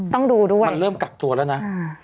ต้องดูด้วยมันเริ่มกักตัวแล้วนะ